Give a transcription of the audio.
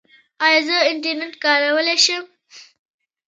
ایا زه انټرنیټ کارولی شم؟